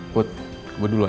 put gue dulu ya